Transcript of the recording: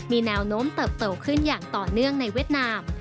มีแนวโน้มเติบโตขึ้นอย่างต่อเนื่องในเวียดนาม